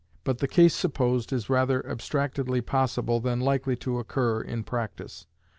But the case supposed is rather abstractedly possible than likely to occur in practice.